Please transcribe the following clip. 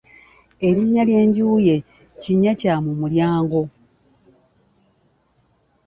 Erinnya ly'enju ye Kinnyakyamumulyango.